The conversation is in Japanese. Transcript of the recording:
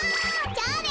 じゃあね。